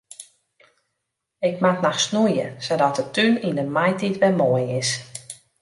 Ik moat noch snoeie sadat de tún yn de maitiid wer moai is.